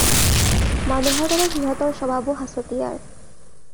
মানুহৰ দৰে সিহঁতৰ স্বভাবো সাঁচতিয়াৰ।